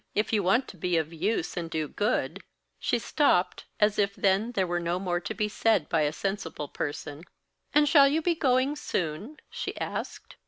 "If you want to be of use, and do good " She stopped, as if then there were no more to be said by a sensible person. "And shall you be going soon?" she asked.